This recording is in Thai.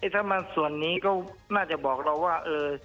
ถ้ามันส่วนนี้ก็น่าจะบอกเราว่า